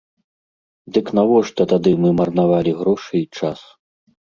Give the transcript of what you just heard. Дык навошта тады мы марнавалі грошы і час?